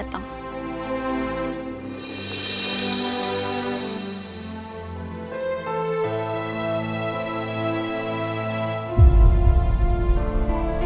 untung diri untuk bayinya